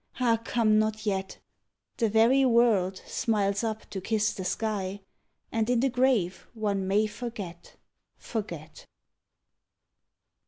Ah, come not yet! The very world smiles up to kiss the sky And in the grave one may forget forget.